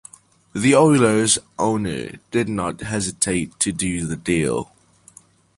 The Oilers' owner did not hesitate to do the deal.